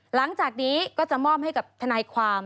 หลังจากนี้ก็จะมอบให้กับทนายความ